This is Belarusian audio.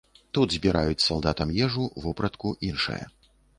Тут збіраюць салдатам ежу, вопратку, іншае.